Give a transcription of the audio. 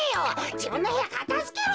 じぶんのへやかたづけろ。